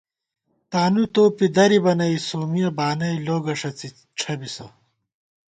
تانُوتوپی درِبہ نئ سومِیہ بانَئ لوگہ ݭَڅی ڄھبِسہ